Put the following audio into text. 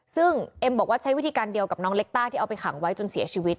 ซึ่งเอ็มบอกว่าใช้วิธีการเดียวกับน้องเล็กต้าที่เอาไปขังไว้จนเสียชีวิต